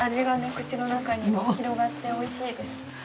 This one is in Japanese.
口の中に広がっておいしいです。